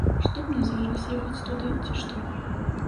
Што мне зараз, ехаць туды, ці што?